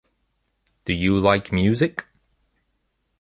Do you like music?